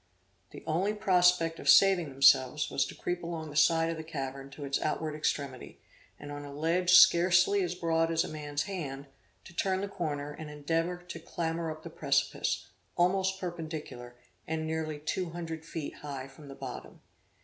The only prospect of saving themselves, was to creep along the side of the cavern to its outward extremity, and on a ledge scarcely as broad as a man's hand, to turn the corner, and endeavor to clamber up the precipice, almost perpendicular, and nearly 200 feet high from the bottom.